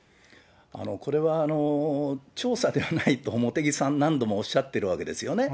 これは、調査ではないと、茂木さん、何度もおっしゃってるわけですよね。